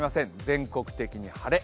全国的に晴れ。